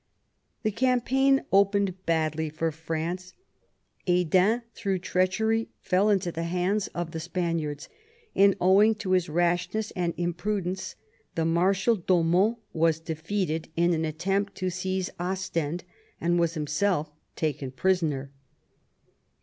The campaign opened badly for France. Hesdin through treachery fell into the hands of the Spaniards ; and owing to his rash ness and imprudence the Marshal d'Aumont was de feated in an attempt to seize Ostend, and was himself taken prisoner.